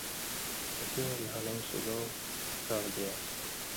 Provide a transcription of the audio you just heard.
کسی وَیں نھالُوں سُگاؤ کان٘ڑ دِیان٘س۔